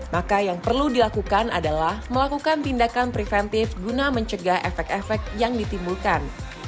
maka yang perlu dilakukan adalah melakukan tindakan preventif guna mencegah efek efek yang ditimbulkan